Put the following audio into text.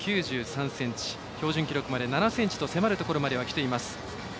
標準記録まで７ｃｍと迫るところまできています。